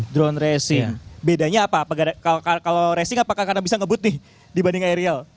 drone racing bedanya apa kalau racing apakah karena bisa ngebut nih dibanding aerial